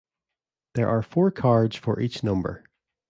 There are four cards for each number.